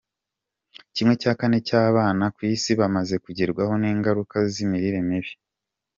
¼ cy’abana ku Isi bamaze kugerwaho n’ingaruka z’imirire mibi.